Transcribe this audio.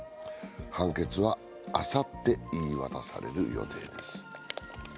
判決は、あさって言い渡される予定です。